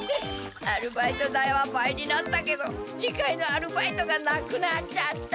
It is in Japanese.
アルバイト代は倍になったけど次回のアルバイトがなくなっちゃった。